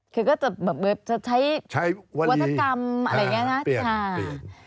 คือก็จะแบบจะใช้วัฒกรรมอะไรอย่างนี้นะ